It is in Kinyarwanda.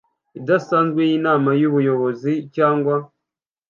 idasanzwe y Inama y Ubuyobozi cyangwa